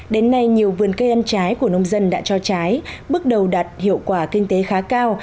đến nay nhiều vườn cây ăn trái của nông dân đã cho trái bước đầu đạt hiệu quả kinh tế khá cao